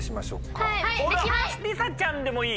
りさちゃんでもいい？